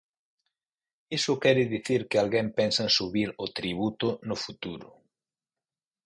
Iso quere dicir que alguén pensa en subir o tributo no futuro.